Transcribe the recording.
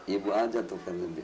ibu aja tuh kan